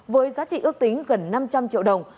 với giá trị ước tính gần năm trăm linh triệu đồng